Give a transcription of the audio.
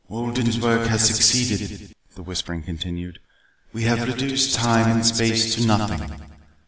"Wolden's work has succeeded," the whispering continued. "We have reduced time and space to nothing.